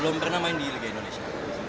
belum pernah main di liga indonesia